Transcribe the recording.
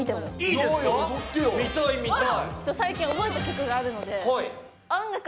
見たい、見たい！